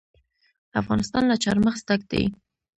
افغانستان له چار مغز ډک دی.